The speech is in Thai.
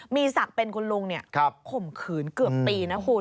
มีศักดิ์เป็นคุณลุงข่มขืนเกือบปีนะคุณ